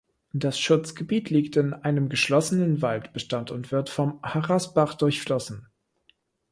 Das Schutzgebiet liegt in einem geschlossenen Waldbestand und wird vom Harrasbach durchflossen.